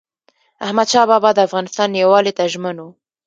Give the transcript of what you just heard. احمدشاه بابا د افغانستان یووالي ته ژمن و.